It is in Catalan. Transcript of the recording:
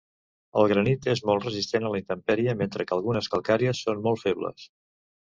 El granit és molt resistent a la intempèrie, mentre que algunes calcàries són molt febles.